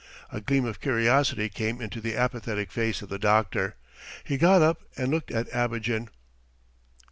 A gleam of curiosity came into the apathetic face of the doctor. He got up and looked at Abogin.